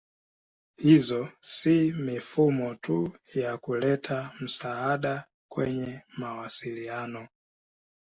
Hizo si mifumo tu ya kuleta msaada kwenye mawasiliano.